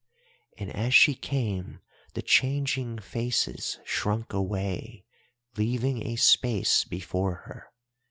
"And as she came the changing faces shrunk away, leaving a space before her.